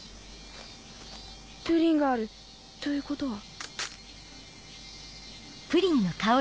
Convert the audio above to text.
プリンがあるということは。